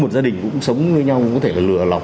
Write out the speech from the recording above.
một gia đình cũng sống với nhau cũng có thể là lừa lọc